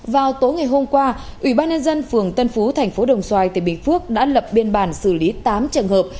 vào tối ngày hôm qua ủy ban nhân dân phường tân phú tp đồng xoài tp bình phước đã lập biên bản xử lý tám trường hợp